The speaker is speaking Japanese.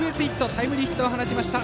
タイムリーヒットを放ちました。